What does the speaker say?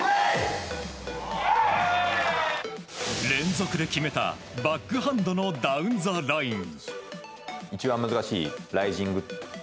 連続で決めたバックハンドのダウンザライン。